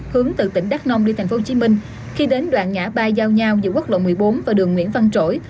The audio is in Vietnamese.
hướng từ tỉnh đắk nông đi tp hcm khi đến đoạn ngã ba giao nhau giữa quốc lộ một mươi bốn và đường nguyễn văn trỗi